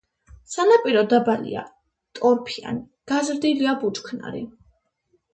სანაპირო დაბალია, ტორფიანი, გაზრდილია ბუჩქნარი.